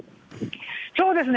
そうですね。